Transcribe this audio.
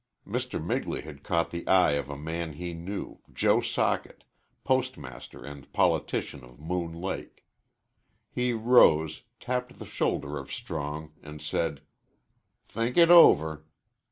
Mr. Migley had caught the eye of a man he knew Joe Socket postmaster and politician of Moon Lake. He rose, tapped the shoulder of Strong, and said, "Think it over."